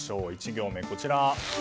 １行目はこちら。